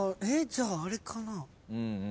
じゃああれかな？